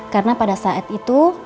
karena pada saat itu